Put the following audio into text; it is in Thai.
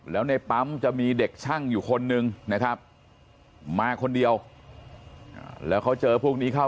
แล้วในปั๊มจะมีเด็กช่างอยู่คนนึงนะครับมาคนเดียวแล้วเขาเจอพวกนี้เข้า